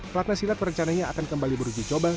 pelatnah silat perencanaannya akan kembali beruji coba